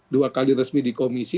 dua kali resmi di komisi